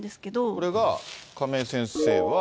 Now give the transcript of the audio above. これが、亀井先生は。